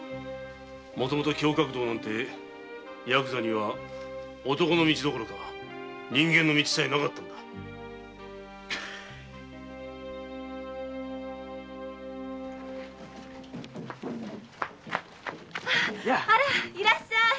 もともと客道なんてヤクザには男の道どころか人間の道さえなかったのだあらいらっしゃい。